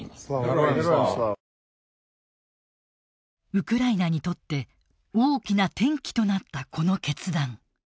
ウクライナにとって大きな転機となったこの決断。